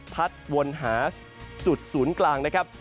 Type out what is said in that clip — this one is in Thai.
วนหาจุดศูนย์กลางนะครับ